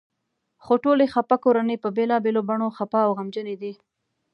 خو ټولې خپه کورنۍ په بېلابېلو بڼو خپه او غمجنې دي.